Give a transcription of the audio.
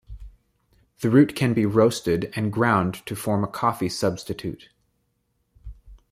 The root can be roasted and ground to form a coffee substitute.